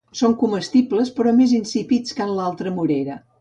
Són comestibles però més insípids que en l'altra morera.